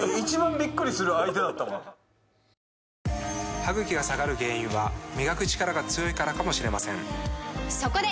歯ぐきが下がる原因は磨くチカラが強いからかもしれませんそこで！